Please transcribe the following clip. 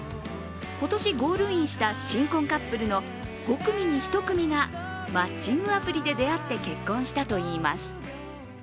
今年ゴールインした新婚カップルの５組に１組がマッチングアプリで出会って結婚したといいます。